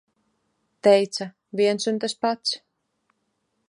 Teica - viens un tas pats.